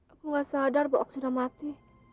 aku gak sadar bahwa aku sudah mati